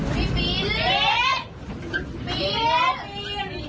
ปีนลิปีนลิเปินปีน